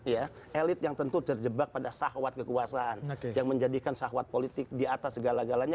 ya elit yang tentu terjebak pada sahwat kekuasaan yang menjadikan sahwat politik di atas segala galanya